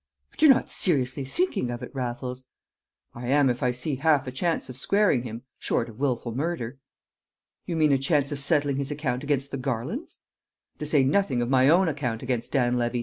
"But you're not seriously thinking of it, Raffles?" "I am if I see half a chance of squaring him short of wilful murder." "You mean a chance of settling his account against the Garlands?" "To say nothing of my own account against Dan Levy!